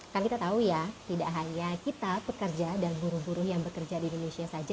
kan kita tahu ya tidak hanya kita pekerja dan buruh buruh yang bekerja di indonesia saja